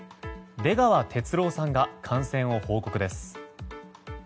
出川哲朗さんが感染を報告です。